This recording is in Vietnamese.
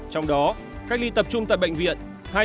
trong đó cách ly tập trung tại bệnh viện hai trăm ba mươi hai